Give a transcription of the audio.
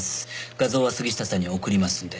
画像は杉下さんに送りますんで。